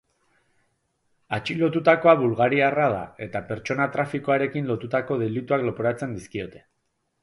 Atxilotutakoa bulgariarra da eta pertsona-trafikoarekin lotutako delituak leporatzen dizkiote.